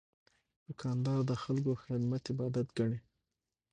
دوکاندار د خلکو خدمت عبادت ګڼي.